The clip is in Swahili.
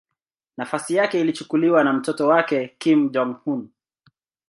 Nafasi yake ilichukuliwa na mtoto wake Kim Jong-un.